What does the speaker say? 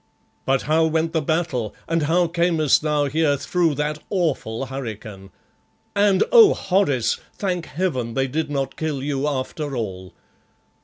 But how went the battle, and how camest thou here through that awful hurricane? And, oh, Horace, thank heaven they did not kill you after all!"